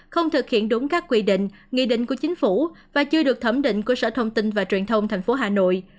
không thực hiện đúng các quy định nghị định của chính phủ và chưa được thẩm định của sở thông tin và truyền thông tp hà nội